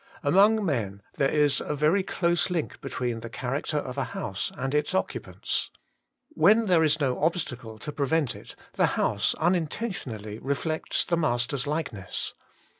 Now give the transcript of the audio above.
Among men there is a very close link between the character of a house and its occupants. When there is no obstacle to prevent it, the house unintentionally reflects the master's likeness.